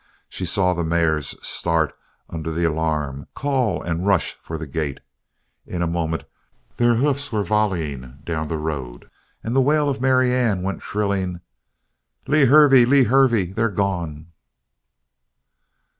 She saw the mares start under the alarm call and rush for the gate; in a moment their hoofs were volleying down the road and the wail of Marianne went shrilling: "Lew Hervey! Lew Hervey! They're gone!"